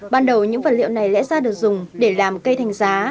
ban đầu những vật liệu này lẽ ra được dùng để làm cây thành giá